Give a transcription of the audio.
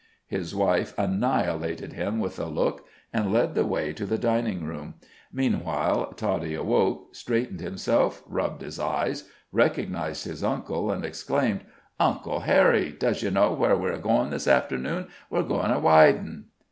His wife annihilated him with a look, and led the way to the dining room; meanwhile Toddie awoke, straightened himself, rubbed his eyes, recognized his uncle and exclaimed: "Uncle Harry, does you know where we's goin' this afternoon? We's goin' a widin'."